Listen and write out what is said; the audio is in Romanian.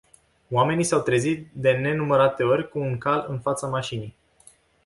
Oamenii s-au trezit de nenumărate ori cu un cal în fața mașinii.